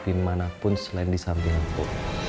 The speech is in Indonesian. dimanapun selain di samping itu